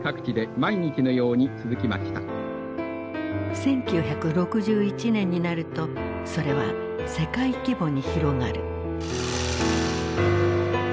１９６１年になるとそれは世界規模に広がる。